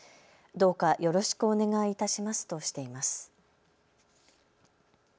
どうかよろしくお願いいたしますとしています。